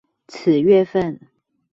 此月份